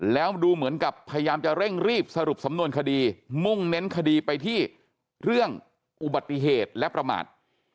แล้วดูเหมือนกับพยายามจะเร่งรีบสรุปสำนวนคดีมุ่งเน้นคดีไปที่เรื่องอุบัติเหตุและประมาท